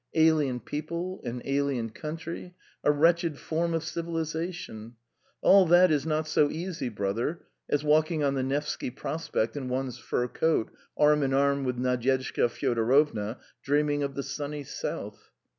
Alien people, an alien country, a wretched form of civilisation all that is not so easy, brother, as walking on the Nevsky Prospect in one's fur coat, arm in arm with Nadyezhda Fyodorovna, dreaming of the sunny South.